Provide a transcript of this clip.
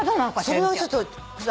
それはちょっと。